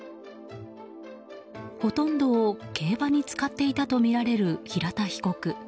ほとんどを競馬に使っていたとみられる平田被告。